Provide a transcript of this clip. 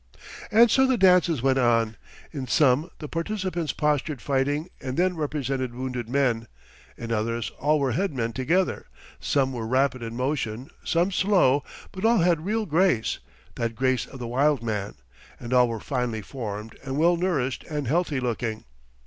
And so the dances went on. In some the participants postured fighting and then represented wounded men; in others all were head men together; some were rapid in motion, some slow, but all had real grace, that grace of the wild man; and all were finely formed and well nourished and healthy looking.